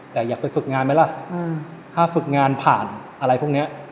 แต่อยากไปฝึกงานไหมล่ะถ้าฝึกงานผ่านอะไรพวกนี้